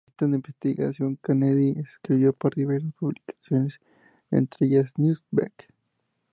Periodista de investigación, Kennedy escribió para diversas publicaciones, entre ellas "Newsweek".